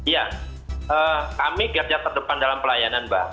ya kami garda terdepan dalam pelayanan mbak